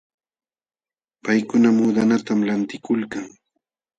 Paykuna muudanatam lantikulkan.